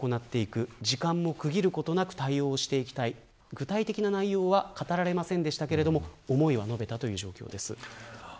具体的な内容は語られませんでしたが思いを述べたという状況です。